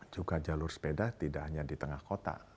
juga jalur sepeda tidak hanya di tengah kota